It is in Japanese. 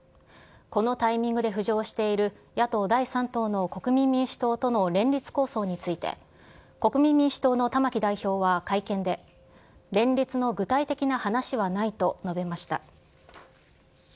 このタイミングで浮上している野党第３党の国民民主党との連立構想について、国民民主党の玉木代表は会見で、連立の具体的な話はないと述べました。